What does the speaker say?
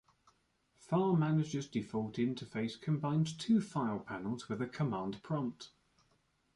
Far Manager's default interface combines two file panels with a command prompt.